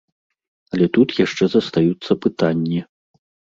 Але тут яшчэ застаюцца пытанні.